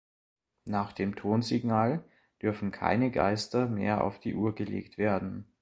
Nach dem Tonsignal dürfen keine Geister mehr auf die Uhr gelegt werden.